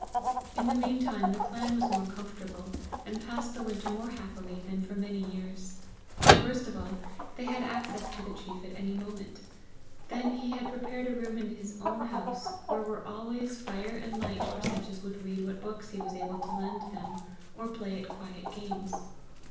In the meantime the clan was more comfortable, and passed the winter more happily, than for many years. First of all, they had access to the chief at any moment. Then he had prepared a room in his own house where were always fire and light for such as would read what books he was able to lend them, or play at quiet games.